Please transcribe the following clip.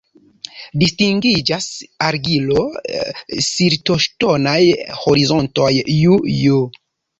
Distingiĝas argilo-siltoŝtonaj horizontoj Ju-Ju.